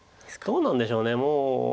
どうなんでしょうもう。